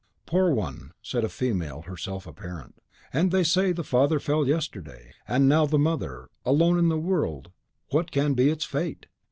"Poor one!" said a female (herself a parent), "and they say the father fell yesterday; and now the mother! Alone in the world, what can be its fate?"